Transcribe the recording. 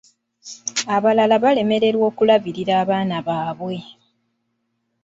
Abalala balemererwa okulabirila abaana baabwe.